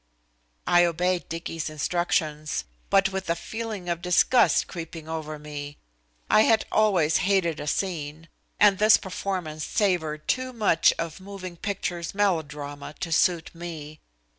I obeyed Dicky's instructions, but with a feeling of disgust creeping over me. I have always hated a scene, and this performance savored too much of moving picture melodrama to suit me.